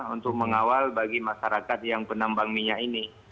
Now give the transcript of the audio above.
untuk mengawal bagi masyarakat yang penambang minyak ini